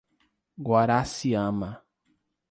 Guaraciama